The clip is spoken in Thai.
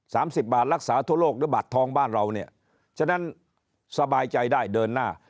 สามสิบบาทรักษาทั่วโลกหรือบัตรทองบ้านเราเนี่ยฉะนั้นสบายใจได้เดินหน้า